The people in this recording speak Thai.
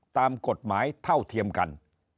ตามกฎหมายเท่าเทียมกัน